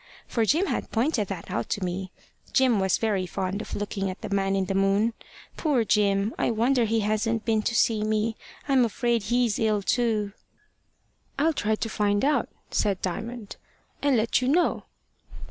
For Jim had pointed that out to me. Jim was very fond of looking at the man in the moon. Poor Jim! I wonder he hasn't been to see me. I'm afraid he's ill too." "I'll try to find out," said Diamond, "and let you know."